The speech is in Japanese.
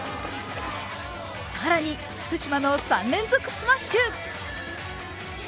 更に福島の３連続スマッシュ。